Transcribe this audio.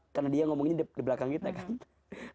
karena dia ngomongin di belakang kita kan